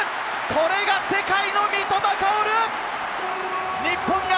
これが世界の三笘薫！